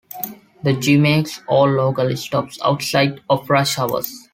The J makes all local stops outside of rush hours.